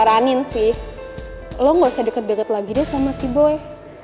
aneh aneh aja deh